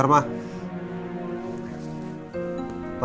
terima kasih pak